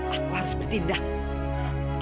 aku benar benar bukan iklim